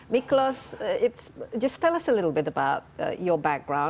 miklos beritahu kami sedikit tentang latar belakangmu